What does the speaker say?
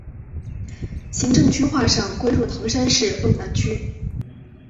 行政区划上归入唐山市路南区。